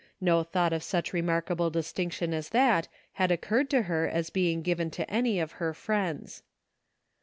No thought of such remarkable distinction as that had occurred to her as being given to any of her friends.